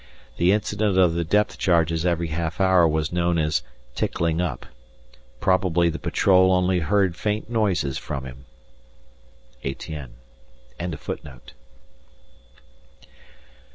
The incident of the depth charges every half hour was known as "Tickling up." Probably the patrol only heard faint noises from him. ETIENNE.